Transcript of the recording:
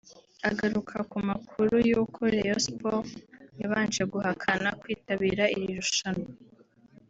Agaruka ku makuru yuko Rayon Sports yabanje guhakana kwitabira iri rushanwa